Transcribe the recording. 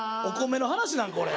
お米の話なん？